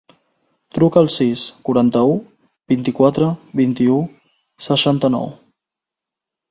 Truca al sis, quaranta-u, vint-i-quatre, vint-i-u, seixanta-nou.